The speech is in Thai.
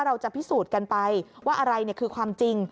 เราจะพิสูจน์กันไปว่าอะไรคือความจริง